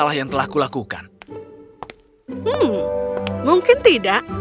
hmm mungkin tidak